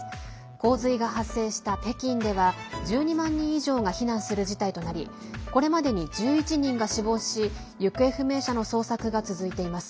洪水が発生した北京では１２万人以上が避難する事態となりこれまでに１１人が死亡し行方不明者の捜索が続いています。